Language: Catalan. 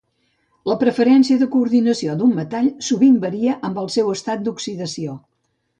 La preferència de coordinació d'un metall sovint varia amb el seu estat d'oxidació.